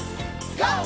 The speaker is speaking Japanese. ＧＯ！